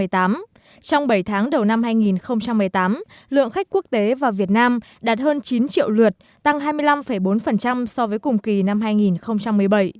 trong bảy tháng đầu năm hai nghìn một mươi tám lượng khách quốc tế vào việt nam đạt hơn chín triệu lượt tăng hai mươi năm bốn so với cùng kỳ năm hai nghìn một mươi bảy